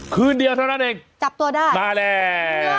คืนเดียวเท่านั้นเองมาแล้วจับตัวได้